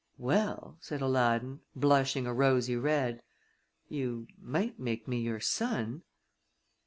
"Well," said Aladdin, blushing a rosy red, "you might make me your son."